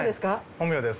本名です。